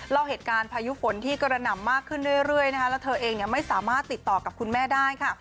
เล่าเหตุการณ์พายุฝนที่กระหน่ำมากขึ้นเรื่อยนะคะแล้วเธอเองไม่สามารถติดต่อกับคุณแม่ได้ค่ะ